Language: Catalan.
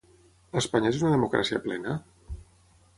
Espanya és una democràcia plena?